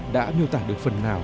đã nêu tả được phần nào